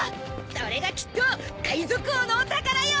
それがきっと海賊王のお宝よ！